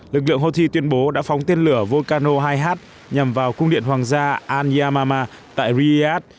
lực lượng houthi tuyên bố đã phóng tên lửa volcano hai h nhằm vào cung điện hoàng gia al yamama tại riyadh